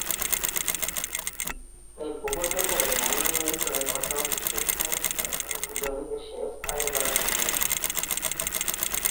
এই প্রকল্পের ফলে বন্যা নিয়ন্ত্রণের পাশাপাশি শুষ্ক মৌসুমে জমিতে সেচ কাজও করা সম্ভব হচ্ছে।